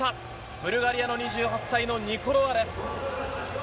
ブルガリアの２８歳のニコロワです。